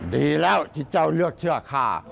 ดีแล้วที่เจ้าเลือกเชื่อข้า